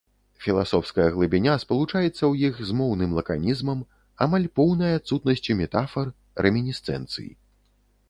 Філасофская глыбіня спалучаецца ў іх з моўным лаканізмам, амаль поўнай адсутнасцю метафар, рэмінісцэнцый.